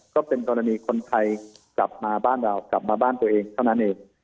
ก็เป็นกรณีคนไทยกลับมาบ้านเรากลับมาบ้านตัวเองเท่านั้นเอง